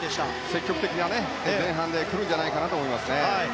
積極的な前半で来るんじゃないかと思います。